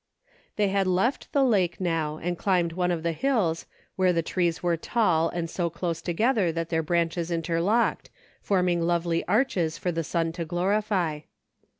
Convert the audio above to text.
They had left the lake now, and climbed one of the hills, where the trees were tall and so close together that their branches interlocked, forming lovely arches for the sun to glorify.